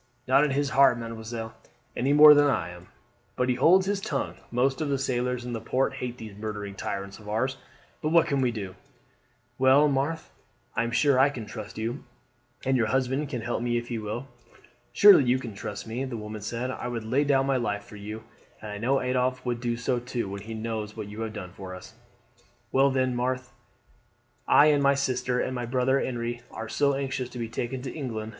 "Not in his heart, mademoiselle, any more than I am, but he holds his tongue. Most of the sailors in the port hate these murdering tyrants of ours; but what can we do?" "Well, Marthe, I am sure I can trust you, and your husband can help me if he will." "Surely you can trust me," the woman said. "I would lay down my life for you, and I know Adolphe would do so too when he knows what you have done for us." "Well, then, Marthe, I and my sister and my brother Henri are anxious to be taken to England.